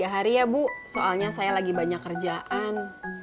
tiga hari ya bu soalnya saya lagi banyak kerjaan